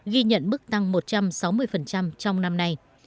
ghi nhận mức tăng một trăm sáu mươi trong năm nay